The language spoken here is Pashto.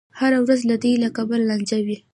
هره ورځ دې له کبله لانجه وي.